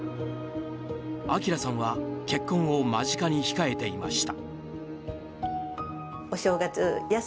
朗さんは結婚を間近に控えていました。